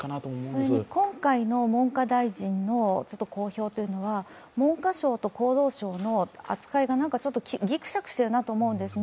それに今回の文科大臣の講評というのは文科省と厚労省の扱いがぎくしゃくしてるなと思うんですね。